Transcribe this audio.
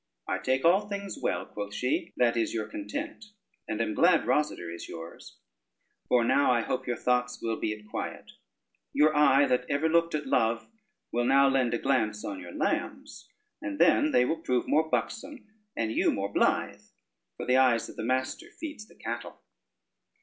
"I take all things well," quoth she, "that is your content, and am glad Rosader is yours; for now I hope your thoughts will be at quiet; your eye that ever looked at love, will now lend a glance on your lambs, and then they will prove more buxom and you more blithe, for the eyes of the master feeds the cattle."